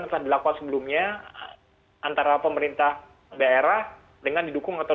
yang telah dilakukan sebelumnya antara pemerintah daerah dengan didukung atau